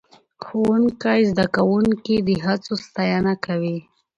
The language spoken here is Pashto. ښوونکی زده کوونکي د هڅو ستاینه کوي